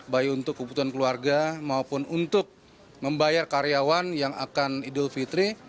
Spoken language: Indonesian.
baik untuk kebutuhan keluarga maupun untuk membayar karyawan yang akan idul fitri